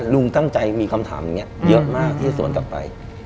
ลุงตั้งใจมีคำถามอย่างนี้เยอะมากที่จะสวนกลับไป